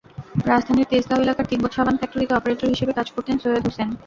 রাজধানীর তেজগাঁও এলাকার তিব্বত সাবান ফ্যাক্টরিতে অপারেটর হিসেবে কাজ করতেন সৈয়দ হোসেন।